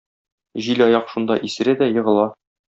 Җилаяк шунда исерә дә егыла.